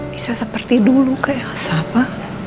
bisa seperti dulu ke elsa pa